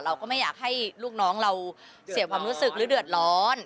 เราก็ไม่อยากให้ลูกน้องเราเสียความรู้สึกหรือเดือดร้อน